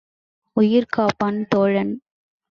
உயிர் காப்பான் தோழன்.